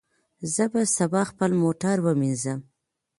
زه به سبا خپل موټر ومینځم.